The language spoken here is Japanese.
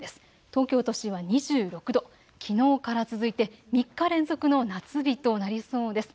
東京都心は２６度、きのうから続いて３日連続の夏日となりそうです。